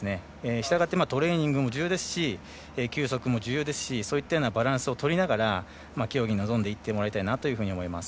したがって、トレーニングも重要ですし休息も重要ですしバランスをとりながら競技に臨んでいってもらいたいと思います。